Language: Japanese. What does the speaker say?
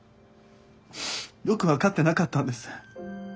よく分かってなかったんです。